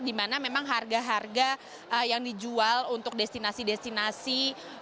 karena memang harga harga yang dijual untuk destinasi destinasi